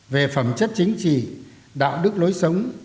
về phẩm chất chính trị đạo đức lối sống